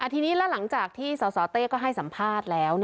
ทีนี้แล้วหลังจากที่สสเต้ก็ให้สัมภาษณ์แล้ว